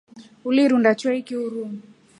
Ulirunda choiki uruu.